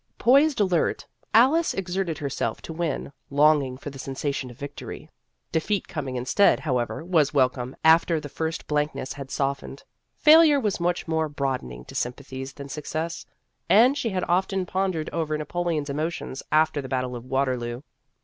Poised alert, Alice exerted herself to win, longing for the sensation of victory. Defeat coming instead, however, was wel comed after the first blankness had softened. Failure was much more broad ening to sympathies than success ; and she had often pondered over Napoleon's emotions after the battle of Waterloo.